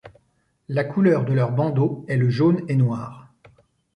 La couleur de leur bandeau est le jaune et noir.